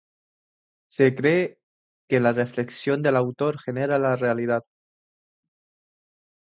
Se cree que la reflexión del autor genera la realidad.